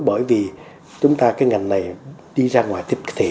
bởi vì chúng ta cái ngành này đi ra ngoài tiếp thị